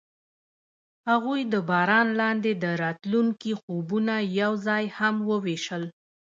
هغوی د باران لاندې د راتلونکي خوبونه یوځای هم وویشل.